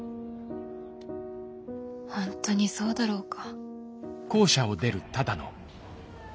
ほんとにそうだろうか。